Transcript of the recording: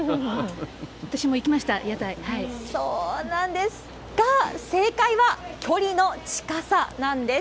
私も行きました、そうなんですが、正解は、距離の近さなんです。